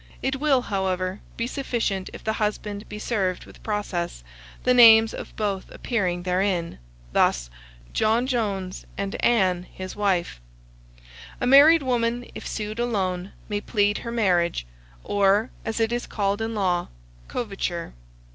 It will, however, be sufficient if the husband be served with process, the names of both appearing therein, thus: John Jones and Ann his wife. A married woman, if sued alone, may plead her marriage, or, as it is called in law, coverture.